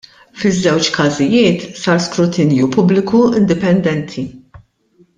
Fiż-żewġ każijiet sar skrutinju pubbliku indipendenti.